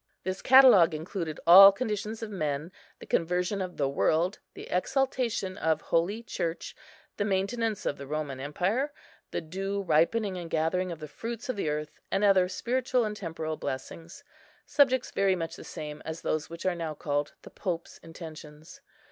This catalogue included all conditions of men, the conversion of the world, the exaltation of Holy Church, the maintenance of the Roman empire, the due ripening and gathering of the fruits of the earth, and other spiritual and temporal blessings,—subjects very much the same as those which are now called the Pope's intentions.